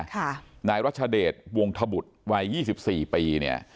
นายรัชเดชวงธบุตรวัยยี่สิบสี่ปีเนี่ย